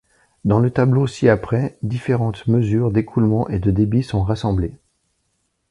Dans le tableau ci-après, différentes mesures d'écoulement et de débit sont rassemblées.